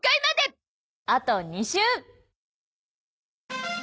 あと２週！